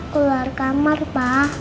keluar kamar pak